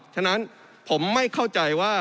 ฉะนั้นผมไม่เข้าใจว่า